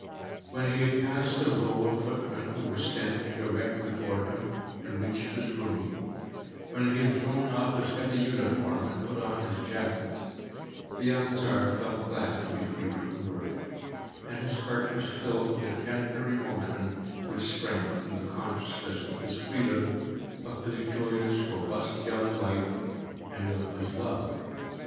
When he had passed the row of footmen who were standing erect before him, and reached his room; when he had thrown off his heavy uniform and put on his jacket, the young Tsar felt glad to be free from work; and his heart was filled with a tender emotion which sprang from the consciousness of his freedom, of his joyous, robust young life, and of his love.